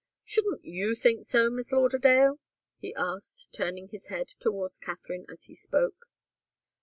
Shouldn't you think so, Miss Lauderdale?" he asked, turning his head towards Katharine as he spoke.